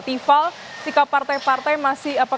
tifal sikap partai partai apakah masih menunggu pdip